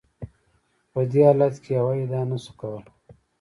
په دې حالت کې یوه ادعا نشو کولای.